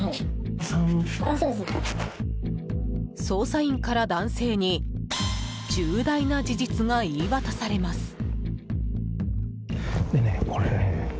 捜査員から男性に重大な事実が言い渡されます。